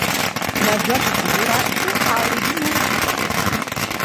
La diocesi di Durazzo ha origini antiche.